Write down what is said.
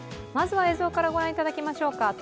まずは映像から御覧いただきましょうか。